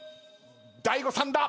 大悟さんだ！